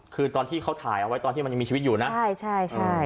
คือตอนที่เขาถ่ายเอาไว้ตอนที่มันยังมีชีวิตอยู่นะใช่ใช่